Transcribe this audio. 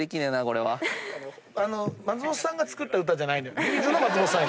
松本さんが作った歌じゃないのよ。